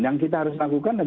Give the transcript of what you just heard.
yang kita harus lakukan